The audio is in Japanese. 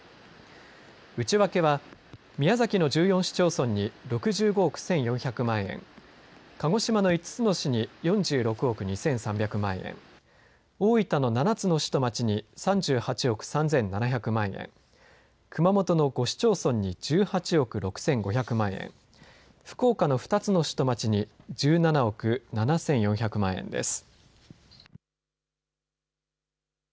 内訳は宮崎の１４市町村に６５億１４００万円、鹿児島の５つの市に４６億２３００万円、大分の７つの市と町に３８億３７００万円、熊本の５市町村に１８億６５００万円、福岡の２つの市と町に１７億７４００万円です。